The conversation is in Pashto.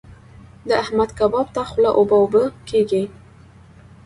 د احمد کباب ته خوله اوبه اوبه کېږي.